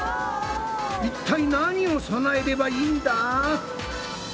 一体何を備えればいいんだ？